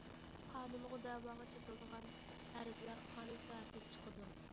قانۇنغا دەۋاغا چېتىلىدىغان ئەرزلەر قانۇن سەۋەبلىك چىقىدۇ.